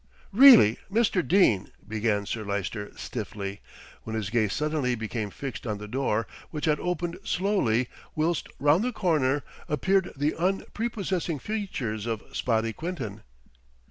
"Really, Mr. Dene," began Sir Lyster stiffly, when his gaze suddenly became fixed on the door, which had opened slowly, whilst round the corner appeared the unprepossessing features of Spotty Quinton.